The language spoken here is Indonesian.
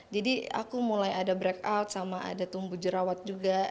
jadi aku mulai ada breakout sama ada tumbuh jerawat juga